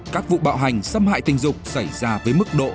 các vụ bạo hành xâm hại tình dục xảy ra với mức độ